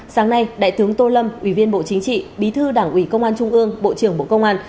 sáng nay đại tướng tô lâm ủy viên bộ chính trị bí thư đảng ủy công an trung ương bộ trưởng bộ công an